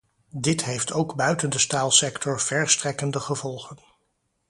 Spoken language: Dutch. Dit heeft ook buiten de staalsector verstrekkende gevolgen.